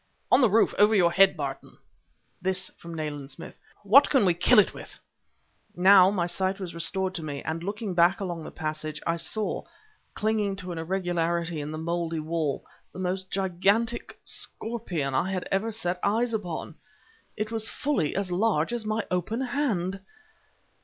"On the roof over your head, Barton!" this from Nayland Smith. "What can we kill it with?" Now my sight was restored to me, and looking back along the passage, I saw, clinging to an irregularity in the moldy wall, the most gigantic scorpion I had ever set eyes upon! It was fully as large as my open hand.